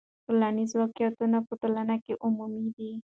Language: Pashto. ټولنیز واقعیتونه په ټولنه کې عمومي دي.